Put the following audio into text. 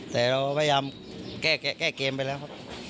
แต่เราพยายามแก้แก้แก้เกมไปแล้ว